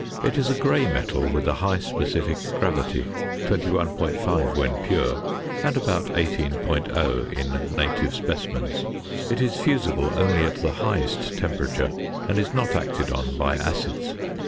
It is a grey metal with a high specific gravity, 21.5 when pure and about 18.0 in native specimens. It is fusible only at the highest temperature, and is not acted on by acids.